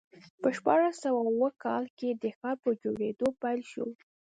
په شپاړس سوه اووه کال کې ښار په جوړېدو پیل شو.